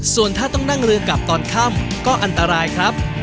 ส่วนถ้าต้องนั่งเรือกลับตอนค่ำก็อันตรายครับ